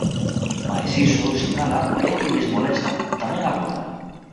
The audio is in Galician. Mais iso, sinala, "é o que lles molesta", tamén agora.